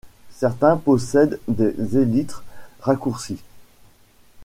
Certains possèdent des élytres raccourcis.